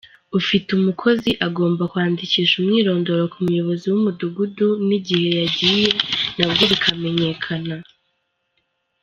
Ufite umukozi agomba kwandikisha umwirondoro ku muyobozi w’umudugudu n’igihe yagiye nabwo bikamenyekana.